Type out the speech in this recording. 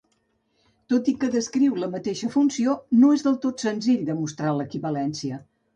Tot i que descriuen la mateixa funció, no és del tot senzill demostrar l'equivalència.